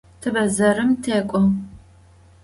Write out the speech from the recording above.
Te bedzerım tek'o.